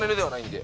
はい。